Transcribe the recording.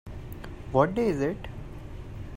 What day is it?